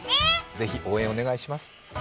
ぜひ応援お願いします。